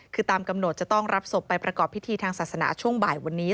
คือตามกำหนดจะต้องรับศพไปประกอบพิธีทางศาสนาช่วงบ่ายวันนี้